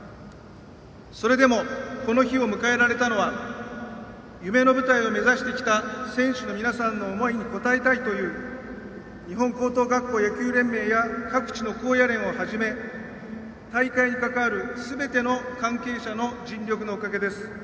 それでもこの日を迎えられたのは夢の舞台を目指してきた選手の皆さんの思いに応えたいという日本高等学校野球連盟や各地の高野連を始め大会に関わるすべての大会関係者の尽力のおかげです。